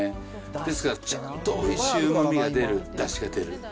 ですからちゃんとおいしいうまみが出る、だしが出る。